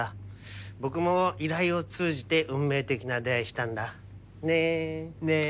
僕も依頼を通じて運命的な出会いしたんだ。ね。ね。